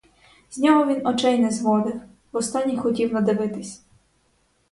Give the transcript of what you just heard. З нього він очей не зводив, в останнє хотів надивитись.